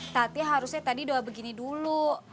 tapi harusnya tadi doa begini dulu